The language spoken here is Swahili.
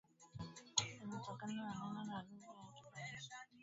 linatokana na neno la lugha ya Kibantu Ngola ambalo lilikuwa jina